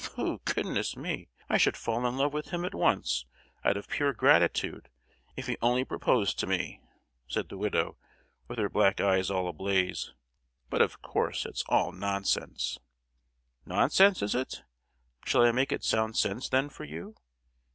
"Tfu! Goodness me! I should fall in love with him at once, out of pure gratitude, if he only proposed to me!" said the widow, with her black eyes all ablaze; "but, of course, it's all nonsense!" "Nonsense, is it? Shall I make it sound sense, then, for you?